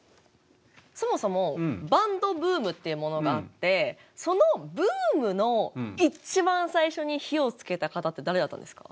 そもそもバンドブームっていうものがあってそのブームの一番最初に火を付けた方って誰だったんですか？